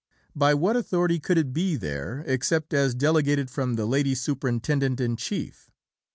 By what authority could it be there, except as delegated from the Lady Superintendent in Chief?